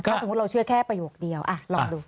ถ้าสมมุติเราเชื่อแค่ประโยคเดียวลองดู